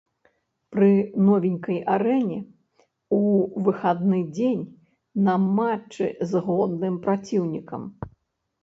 Пры новенькай арэне, у выхадны дзень, на матчы з годным праціўнікам.